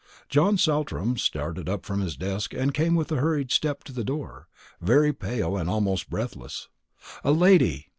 John Saltram started up from his desk and came with a hurried step to the door, very pale and almost breathless. "A lady!"